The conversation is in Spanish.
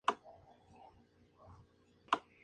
A Alain le vino de perlas por manejar idiomas.